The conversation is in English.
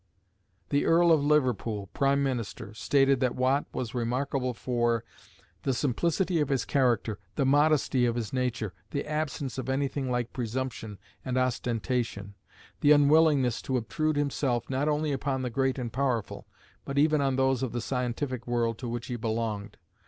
The Earl of Liverpool, prime minister, stated that Watt was remarkable for the simplicity of his character, the modesty of his nature, the absence of anything like presumption and ostentation, the unwillingness to obtrude himself, not only upon the great and powerful, but even on those of the scientific world to which he belonged.